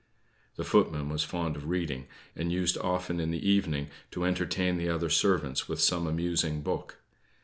The footman was fond of reading, and used often in the evening to entertain the other servants with some amusing book.